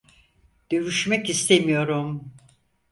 Dövüşmek istemiyorum.